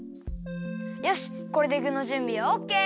よしこれでぐのじゅんびはオッケー！